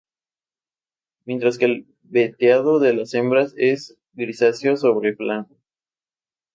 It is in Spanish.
Mientras que el veteado de las hembras es grisáceo sobre blanco.